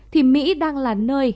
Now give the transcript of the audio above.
thì mỹ đang là nơi